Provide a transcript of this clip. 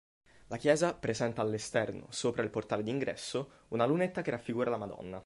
La chiesa presenta all'esterno, sopra il portale d'ingresso, una lunetta che raffigura la Madonna.